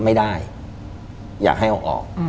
ไม่ได้อยากให้เอาออก